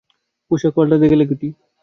পোশাক পাল্টাতে গেল কিটি।